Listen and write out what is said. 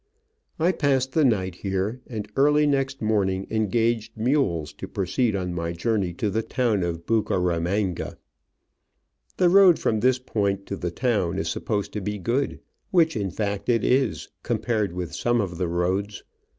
I passed the night here, and early next morning engaged mules to proceed on my journey to the town of Bucaramanga. The road from this point to the town is supposed to be good, which, in fact, it is, com pared with some of the roads.